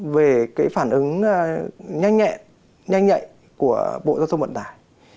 về cái phản ứng nhanh nhẹn của bộ giao thông vận tải